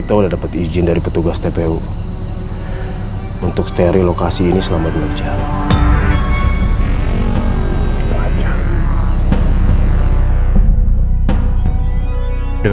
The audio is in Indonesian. oh terima kasih sayang